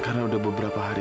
kita tidak akan sampai jumpa